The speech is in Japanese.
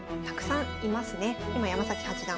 今山崎八段